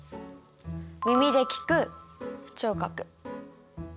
耳で聞く聴覚。